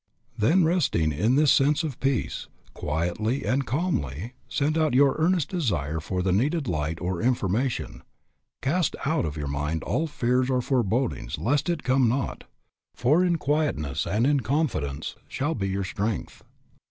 Then resting in this sense of peace, quietly and calmly send out your earnest desire for the needed light or information; cast out of your mind all fears or forebodings lest it come not, for "in quietness and in confidence shall be your strength."